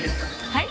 はい。